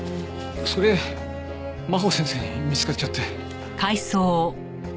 それ真帆先生に見つかっちゃって。